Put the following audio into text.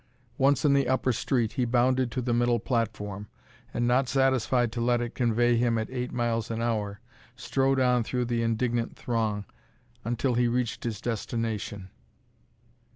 Once in the upper street, he bounded to the middle platform, and, not satisfied to let it convey him at eight miles an hour, strode on through the indignant throng until he reached his destination.